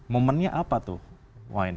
momennya apa tuh